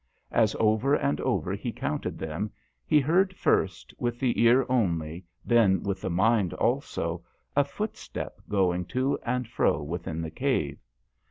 As over and over he counted them, he heard, first with the ear only, then with the mind also, a footstep going to and fro within the cave.